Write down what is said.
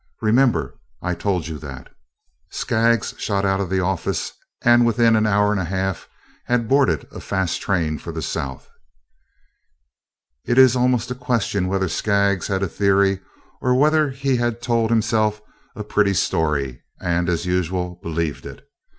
Remember I told you that." Skaggs shot out of the office, and within an hour and a half had boarded a fast train for the South. It is almost a question whether Skaggs had a theory or whether he had told himself a pretty story and, as usual, believed it.